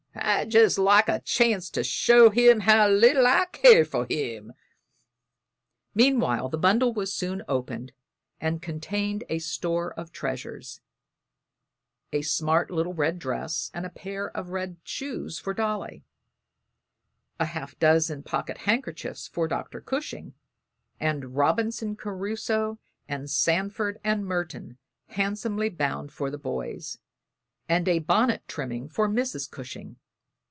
I'd jest like a chance to show him how little I care for him." Meanwhile the bundle was soon opened, and contained a store of treasures: a smart little red dress and a pair of red shoes for Dolly, a half dozen pocket handkerchiefs for Dr. Cushing, and "Robinson Crusoe" and "Sanford and Merton," handsomely bound, for the boys, and a bonnet trimming for Mrs. Cushing.